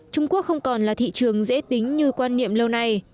trung quốc không còn là thị trường dễ tính như quan niệm lâu nay